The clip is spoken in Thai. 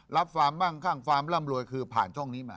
ฟาร์มบ้างข้างฟาร์ร่ำรวยคือผ่านช่องนี้มา